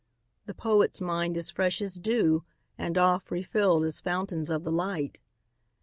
The poet's mind is fresh as dew, And oft refilled as fountains of the light.